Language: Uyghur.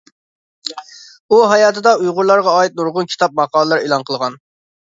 ئۇ ھاياتىدا ئۇيغۇرلارغا ئائىت نۇرغۇن كىتاب، ماقالىلەر ئېلان قىلغان.